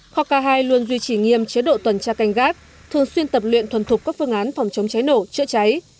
kho k hai luôn duy trì nghiêm chế độ tuần tra canh gác thường xuyên tập luyện thuần thục các phương án phòng chống cháy nổ chữa cháy